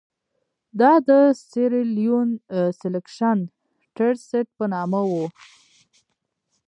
دا د سیریلیون سیلکشن ټرست په نامه وو.